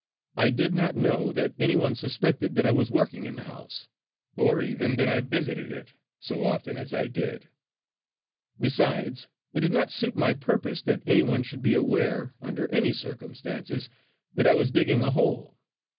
I did not know that any one suspected that I was working in the house, or even that I visited it so often as I did. Besides, it did not suit my purpose that any one should be aware, under any circumstances, that I was digging a hole.